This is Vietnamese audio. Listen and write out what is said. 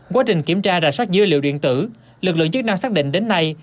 quá trình kiểm tra rà soát dữ liệu điện tử lực lượng chức năng xác định đến nay